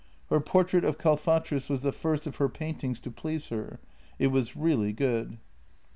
Her portrait of Kalfatrus was the first of her paintings to please her; it was really good.